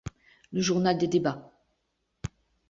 Le Journal des Débats.